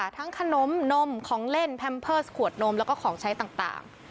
ขนมนมของเล่นแพมเพิร์สขวดนมแล้วก็ของใช้ต่าง